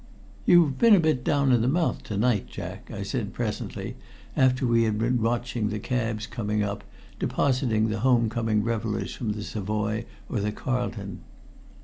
"You've been a bit down in the mouth to night, Jack," I said presently, after we had been watching the cabs coming up, depositing the home coming revelers from the Savoy or the Carlton.